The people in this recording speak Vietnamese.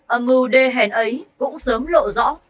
âm mưu đề hèn ấy cũng sớm lộ rõ